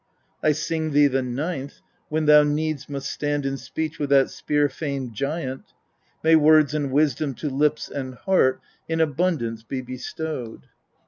14. I sing thee the ninth : when thou needs must stand in speech with that spear famed giant, may words and wisdom to lips and heart in abundance be bestowed.